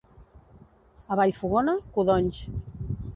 A Vallfogona, codonys.